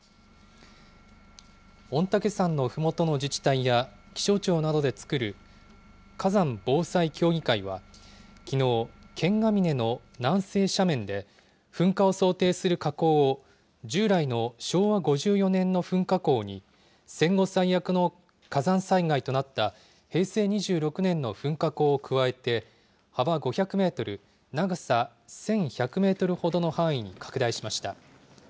御嶽山のふもとの自治体や気象庁などで作る火山防災協議会は、きのう、剣ヶ峰の南西斜面で、噴火を想定する火口を従来の昭和５４年の噴火口に、戦後最悪の火山災害となった平成２６年の噴火口を加えて、幅５００メートル、長さ１１００メートルほどの範囲に拡大しました。